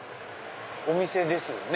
お店ですよね？